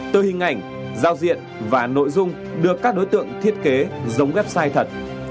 từ hình ảnh giao diện và nội dung được các đối tượng thiết kế giống website thật